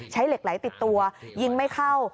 เหล็กไหลติดตัวยิงไม่เข้า